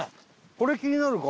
これ気になるか。